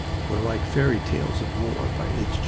were like fairy tales of war by H.